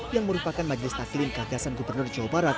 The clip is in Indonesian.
yang merupakan majelis taklim gagasan gubernur jawa barat